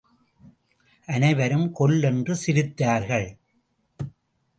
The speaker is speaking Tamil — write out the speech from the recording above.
அனைவரும் கொல் என்று சிரித்தார்கள்.